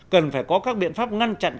cần phải có các biện pháp ngăn chặn